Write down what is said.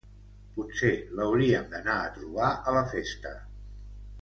Potser l'hauríem d'anar a trobar a la festa.